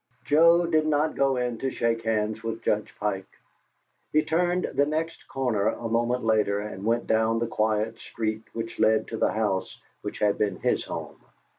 Joe did not go in to shake hands with Judge Pike. He turned the next corner a moment later, and went down the quiet street which led to the house which had been his home.